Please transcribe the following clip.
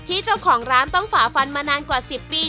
เจ้าของร้านต้องฝ่าฟันมานานกว่า๑๐ปี